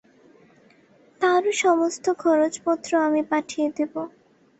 তারও সমস্ত খরচ-পত্র আমি পাঠিয়ে দেব।